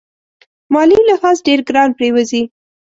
مالي لحاظ ډېر ګران پرېوزي.